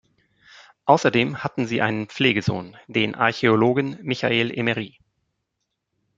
Außerdem hatte sie einen Pflegesohn, den Archäologen Michael Emery.